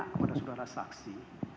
kepada saudara saksi